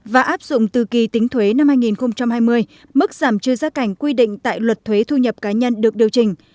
và áp dụng từ kỳ tính thuế năm hai nghìn hai mươi mức giảm trừ gia cảnh quy định tại luật thuế thu nhập cá nhân được điều chỉnh